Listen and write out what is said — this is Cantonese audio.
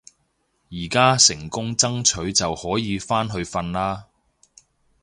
而家成功爭取就可以返去瞓啦